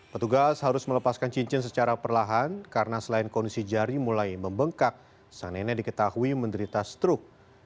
petugas harus melepaskan cincin secara perlahan karena selain kondisi jari mulai membengkak sang nenek diketahui menderita struk